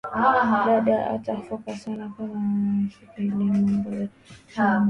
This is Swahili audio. Dada ata foka sana kama anashikia ile mambo ya mashamba